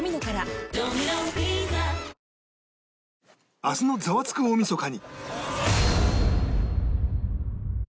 明日の『ザワつく！大晦日』に